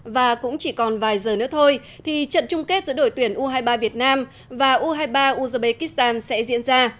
và cũng chỉ còn vài giờ nữa thôi thì trận chung kết giữa đội tuyển u hai mươi ba việt nam và u hai mươi ba uzbekistan sẽ diễn ra